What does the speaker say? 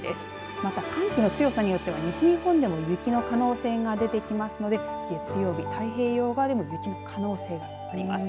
また寒気の強さによっては西日本でも雪の可能性が出てきますので月曜日、太平洋側でも雪の可能性があります。